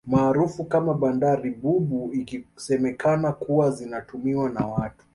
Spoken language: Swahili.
Maarufu kama bandari bubu ikisemekana kuwa zinatumiwa na watu